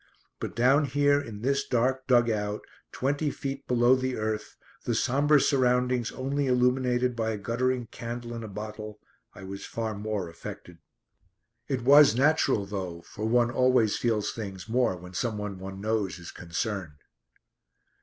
But down here in this dark dug out, twenty feet below the earth, the sombre surroundings only illuminated by a guttering candle in a bottle, I was far more affected. It was natural though, for one always feels things more when some one one knows is concerned.